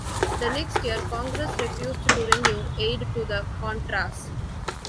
The next year, Congress refused to renew aid to the Contras.